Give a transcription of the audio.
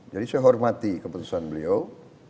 jadi saya hormati keputusan beliau